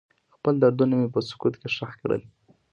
خپل دردونه مې په سکوت کې ښخ کړل.